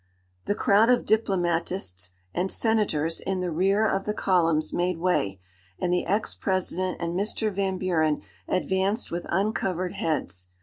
"The crowd of diplomatists and senators in the rear of the columns made way, and the ex President and Mr. Van Buren advanced with uncovered heads.